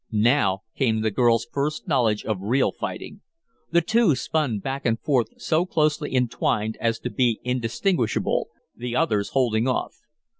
Now came the girl's first knowledge of real fighting. The two spun back and forth so closely entwined as to be indistinguishable, the others holding off.